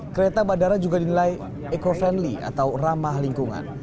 kereta bandara juga dinilai eco friendly atau ramah lingkungan